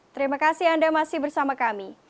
terima kasih anda masih bersama kami